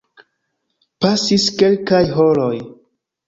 Pasis kelkaj horoj.